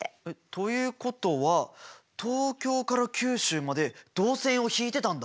ということは東京から九州まで銅線をひいてたんだ。